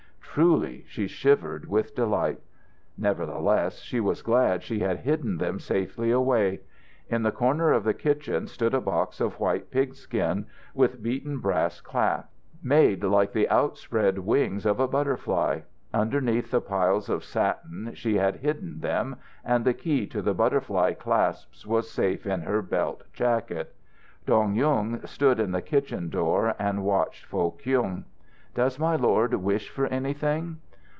Truly, she shivered with delight. Nevertheless, she was glad she had hidden them safely away. In the corner of the kitchen stood a box of white pigskin with beaten brass clasps made like the outspread wings of a butterfly. Underneath the piles of satin she had hidden them, and the key to the butterfly clasps was safe in her belt jacket. Dong Yung stood in the kitchen door and watched Foh Kyung. "Does my lord wish for anything?"